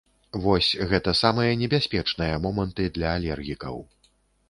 Вось, гэта самыя небяспечныя моманты для алергікаў.